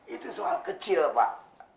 itu soal kecil pak